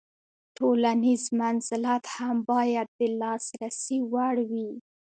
تولنیز منزلت هم باید د لاسرسي وړ وي.